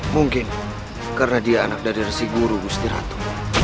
mungkin karena dia anak dari si guru wustiratu